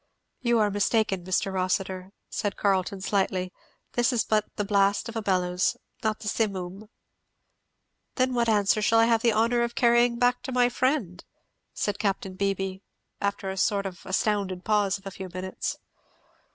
"You are mistaken, Mr. Rossitur," said Carleton slightly; this is but the blast of a bellows, not the Simoom." "Then what answer shall I have the honour of carrying back to my friend?" said Capt. Beebee, after a sort of astounded pause of a few minutes.